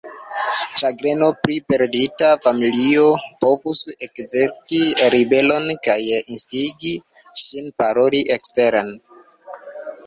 Ĉagreno pri perdita familio povus ekveki ribelon kaj instigi ŝin paroli eksteren.